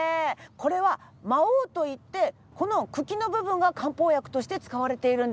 これはマオウといってこの茎の部分が漢方薬として使われているんです。